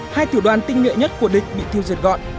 hai tiểu đoàn tinh nghệ nhất của địch bị tiêu diệt gọn